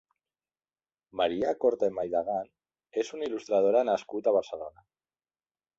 Maria Corte Maidagan és un il·lustradora nascut a Barcelona.